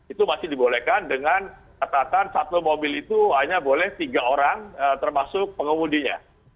itu masih dibolehkan dengan catatan satu mobil itu hanya boleh tiga orang termasuk pengemudinya